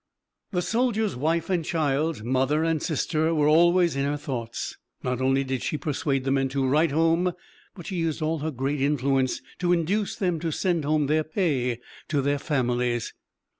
The soldier's wife and child, mother and sister, were always in her thoughts. Not only did she persuade the men to write home, but she used all her great influence to induce them to send home their pay to their families.